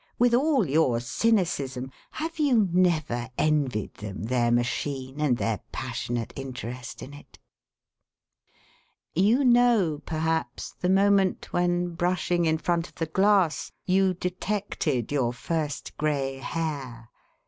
With all your cynicism, have you never envied them their machine and their passionate interest in it? You know, perhaps, the moment when, brushing in front of the glass, you detected your first grey hair.